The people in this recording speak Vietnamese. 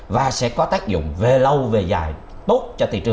và sẽ có tác dụng về lâu về giá